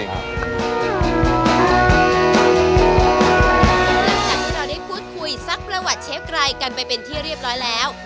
หลังจากที่เราได้พูดคุยซักประวัติเชฟไกรกันไปเป็นที่เรียบร้อยแล้ว